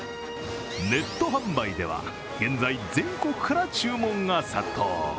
ネット販売では、現在、全国から注文が殺到。